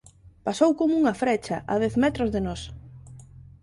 Pasou como unha frecha a dez metros de nós…